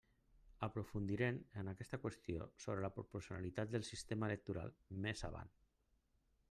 Aprofundirem en aquesta qüestió sobre la proporcionalitat del sistema electoral més avant.